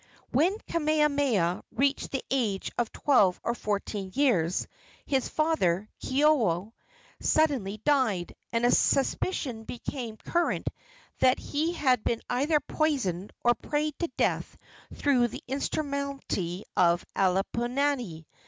When Kamehameha reached the age of twelve or fourteen years, his father, Keoua, suddenly died, and a suspicion became current that he had been either poisoned or prayed to death through the instrumentality of Alapainui.